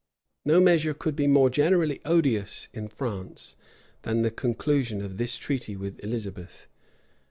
No measure could be more generally odious in France than the conclusion of this treaty with Elizabeth.